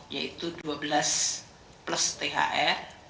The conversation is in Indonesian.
yaitu dua belas plus thr